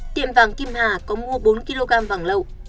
tiệm vàng kim hà có mua bốn kg vàng lậu